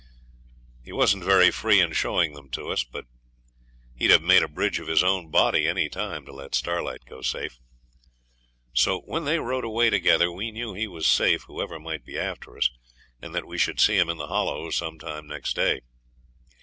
He wasn't very free in showing them to us, but he'd have made a bridge of his own body any time to let Starlight go safe. So when they rode away together we knew he was safe whoever might be after us, and that we should see him in the Hollow some time next day.